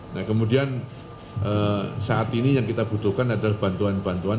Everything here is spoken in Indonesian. nah kemudian saat ini yang kita butuhkan adalah bantuan bantuan